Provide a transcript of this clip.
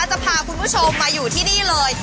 จะพาคุณผู้ชมมาอยู่ที่นี่เลย